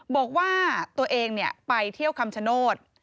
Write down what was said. บอกว่าตัวเองไปเที่ยวคำชโนธ